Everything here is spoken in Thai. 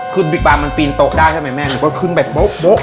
คือบิ๊กบาร์มันปีนโต๊ะได้ใช่ไหมแม่หนูก็ขึ้นแบบโบ๊ะโบ๊ะโบ๊ะ